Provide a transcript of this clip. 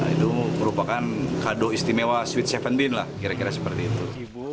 itu merupakan kado istimewa sweet tujuh bean lah kira kira seperti itu